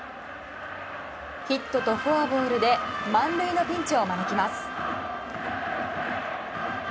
ヒットとフォアボールで満塁のピンチを招きます。